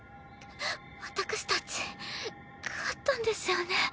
私たち勝ったんですよね？